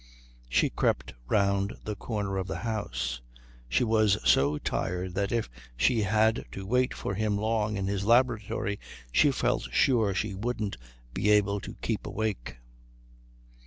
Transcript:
She crept round the corner of the house. She was so tired that if she had to wait for him long in his laboratory she felt sure she wouldn't be able to keep awake.